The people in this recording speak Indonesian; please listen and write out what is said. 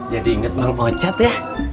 jadi inget bang pocat ya